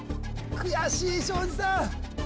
悔しい庄司さん